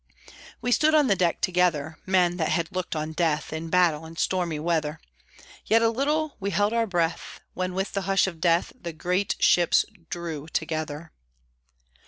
We stood on the deck together, Men that had looked on death In battle and stormy weather; Yet a little we held our breath, When, with the hush of death, The great ships drew together.